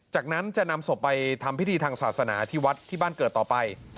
จากนั้นจะนำศพไปทำพิธีทางศาสนาที่วัดที่บ้านเกิดต่อไป